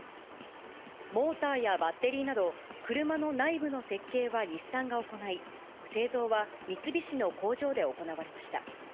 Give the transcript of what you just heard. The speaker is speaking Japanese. モーターやバッテリーなど、車の内部の設計は日産が行い、製造は三菱の工場で行われました。